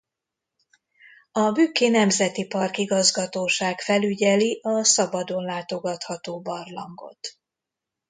A Bükki Nemzeti Park Igazgatóság felügyeli a szabadon látogatható barlangot.